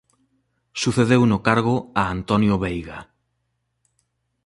Sucedeu no cargo a Antonio Veiga.